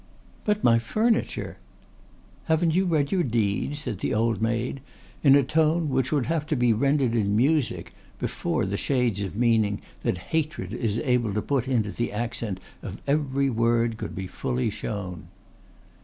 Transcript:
"But my furniture?" "Haven't you read your deed?" said the old maid, in a tone which would have to be rendered in music before the shades of meaning that hatred is able to put into the accent of every word could be fully shown.